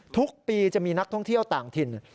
ทุกปีจะมีนักท่องเที่ยวต่างถิ่น